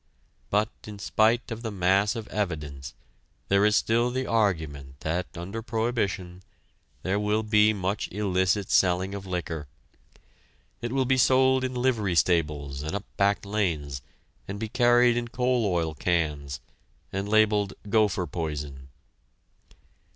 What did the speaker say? But, in spite of the mass of evidence, there is still the argument that, under prohibition, there will be much illicit selling of liquor. It will be sold in livery stables and up back lanes, and be carried in coal oil cans, and labeled "gopher poison."